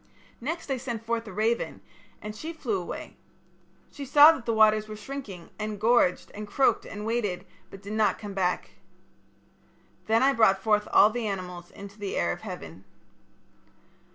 Next I sent forth a raven, and she flew away. She saw that the waters were shrinking, and gorged and croaked and waded, but did not come back. Then I brought forth all the animals into the air of heaven.